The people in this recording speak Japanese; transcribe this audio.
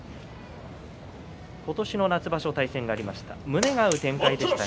今年の夏場所、対戦がありました。